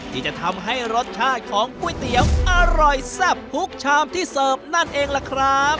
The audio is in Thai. ที่จะทำให้รสชาติของก๋วยเตี๋ยวอร่อยแซ่บทุกชามที่เสิร์ฟนั่นเองล่ะครับ